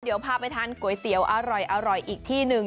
เดี๋ยวพาไปทานก๋วยเตี๋ยวอร่อยอีกที่หนึ่ง